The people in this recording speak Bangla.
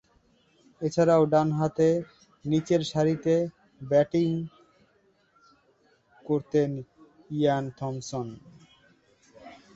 এছাড়াও, ডানহাতে নিচেরসারিতে ব্যাটিং করতেন ইয়ান থমসন।